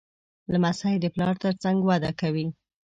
لمسی د پلار تر څنګ وده کوي.